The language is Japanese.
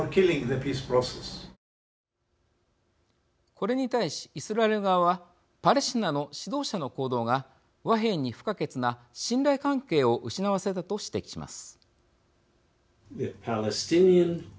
これに対しイスラエル側はパレスチナの指導者の行動が和平に不可欠な信頼関係を失わせたと指摘します。